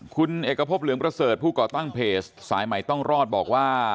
คุณเอกพบเหลืองประเสริฐผู้ก่อตั้งเพจสายใหม่ต้องรอดบอกว่า